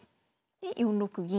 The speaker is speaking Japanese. で４六銀。